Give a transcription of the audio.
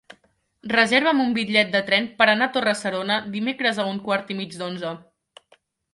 Reserva'm un bitllet de tren per anar a Torre-serona dimecres a un quart i mig d'onze.